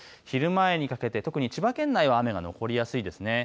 昼前にかけて特に千葉県内は雨が残りやすいです。